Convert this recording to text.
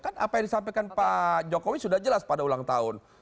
kan apa yang disampaikan pak jokowi sudah jelas pada ulang tahun